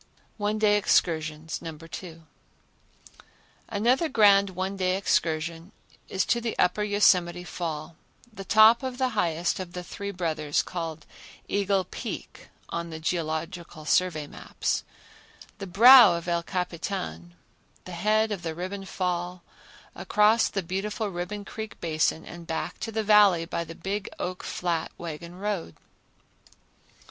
One Day Excursions No. 2. Another grand one day excursion is to the Upper Yosemite Fall, the top of the highest of the Three Brothers, called Eagle Peak on the Geological Survey maps; the brow of El Capitan; the head of the Ribbon Fall; across the beautiful Ribbon Creek Basin; and back to the Valley by the Big Oak Flat wagon road.